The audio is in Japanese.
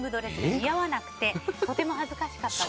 似合わなくてとても恥ずかしかったです。